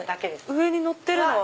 上にのってるのは。